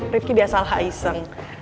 rifki biasalah iseng